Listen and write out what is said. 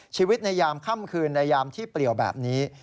ชีวิตในยามค่ำคืนในยามที่เปลี่ยวแบบนี้